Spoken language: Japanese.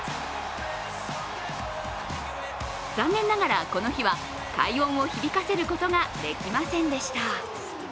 残念ながらこの日は快音を響かせることができませんでした。